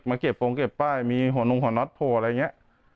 มาเก็บปรงเก็บป้ายมันมีหัวนุ่งหัวน็อตโป้ดแล้วไง